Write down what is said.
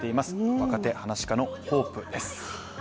若手噺家のホープです。